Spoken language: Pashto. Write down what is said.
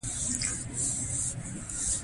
سپي د ماشوم سره نڅېږي.